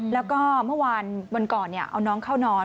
แล้วก็เมื่อวานวันก่อนเอาน้องเข้านอน